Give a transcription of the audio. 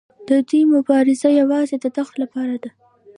د دوی مبارزه یوازې د تخت لپاره ده.